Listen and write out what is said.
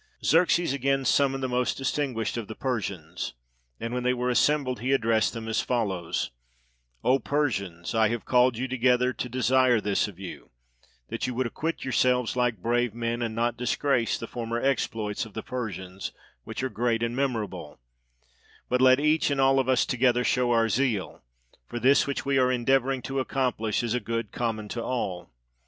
Xerxes again summoned the most distinguished of the Persians, and when they were assembled he addressed them as follows: " 0 Persians, I have called you together to desire this of you, that you would acquit yourselves like brave men, and not disgrace the former exploits of the Persians, which are great and memorable; but let each and all of us together show our zeal, for this which we are endeavoring to accomplish is a good common to all.